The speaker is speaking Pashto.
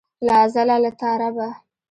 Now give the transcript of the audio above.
له ازله له تا ربه.